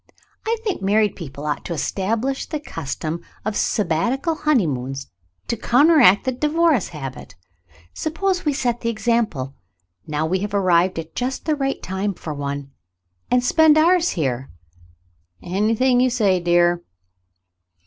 I think married people ought to establish the custom of sabbatical honeymoons to counteract the divorce habit. Suppose we set the example, now we have arrived at just the right time for one, and spend ours here." "Anything you say, dear."